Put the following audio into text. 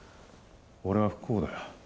俺は不幸だ。